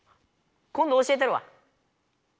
今ど教えたるわ。